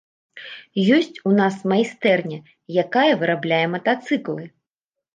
Ёсць у нас майстэрня, якая вырабляе матацыклы.